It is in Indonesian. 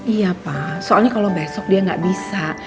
iya pak soalnya kalau besok dia nggak bisa